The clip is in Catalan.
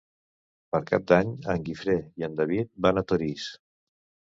Per Cap d'Any en Guifré i en David van a Torís.